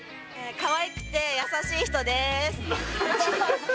かわいくて、優しい人でーす。